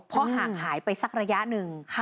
เพราะหากหายไปสักระยะหนึ่ง